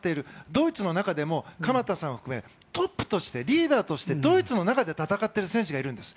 ドイツの中でも鎌田さん含めトップとしてリーダーとしてドイツの中で戦っている選手がいるんです。